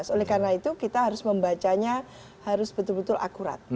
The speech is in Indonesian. oleh karena itu kita harus membacanya harus betul betul akurat